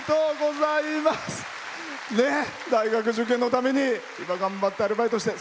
大学受験のために頑張ってアルバイトして。